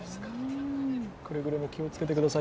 くれぐれも気をつけてください。